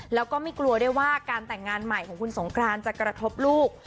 แล้วก็ไม่กลัวด้วยว่าการแต่งงานใหม่ของคุณสงครานจะกระทบลูก